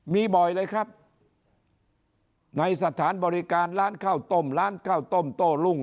มีบ่อยเลยครับในสถานบริการร้านข้าวต้มร้านข้าวต้มโต้รุ่ง